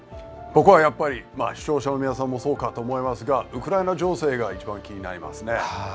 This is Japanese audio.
僕はやっぱり視聴者の皆さんもそうかと思いますがウクライナ情勢が一番気になりますね。